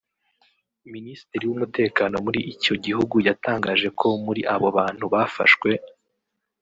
Minisitiri w’Umutekano muri icyo gihugu yatangaje ko muri abo bantu bafashwe